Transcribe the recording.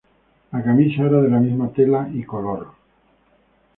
La camisa era de la misma tela y color.